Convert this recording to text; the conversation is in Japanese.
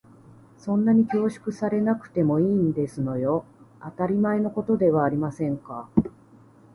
そんなに恐縮されなくてもいいんですのよ。当たり前のことではありませんか。